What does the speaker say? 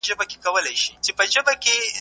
هغه د تاریخي شرایطو یادونه کوي.